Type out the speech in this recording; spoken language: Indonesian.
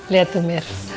lihat tuh mir